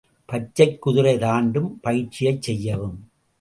பச்சைக் குதிரை தாண்டும் பயிற்சியைச் செய்யவும்.